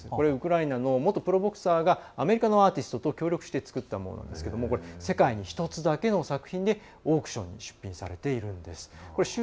ウクライナの元プロボクサーがアメリカのアーティストと協力して作ったものですけど世界に１つだけの作品でオークションに出品されているんです。